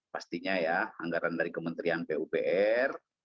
pastinya ya anggaran dari kementerian pupr